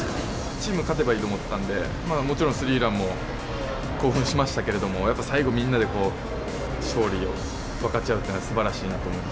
チームが勝てばいいと思ってたんで、ただもちろんスリーランも興奮しましたけれども、やっぱ最後みんなでこう、勝利を分かち合うっていうのはすばらしいなと思って。